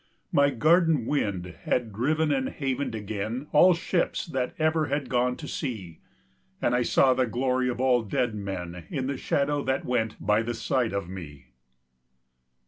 My garden wind had driven and havened again All ships that ever had gone to sea, And I saw the glory of all dead men In the shadow that went by the side of me.